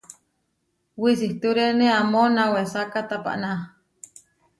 Wisitúrene amó nawésaka tapaná.